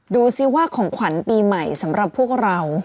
ดูสิว่าของขวัญปีใหม่สำหรับพวกเรา